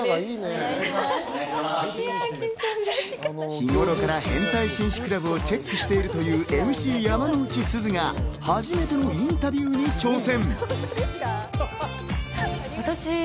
日頃から変態紳士クラブをチェックしているというＭＣ・山之内すずが初めてのインタビューに挑戦。